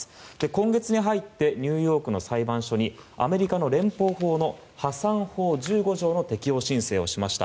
今月に入ってニューヨークの裁判所にアメリカの連邦法の破産法１５条の適用申請をしました。